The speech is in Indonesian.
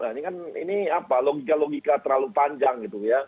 ini kan logika logika terlalu panjang